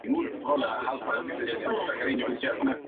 El oxígeno molecular puede reemplazar al fumarato "in vitro".